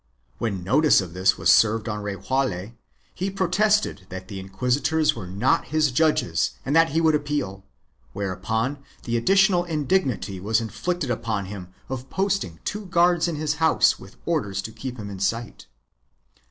When notice of this was served on Rejaule he pro tested that the inquisitors were not his judges and that he would appeal, whereupon the additional indignity was inflicted upon him of posting two guards in his house with orders to keep him in sight.